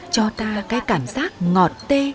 cho ta cái cảm giác ngọt tê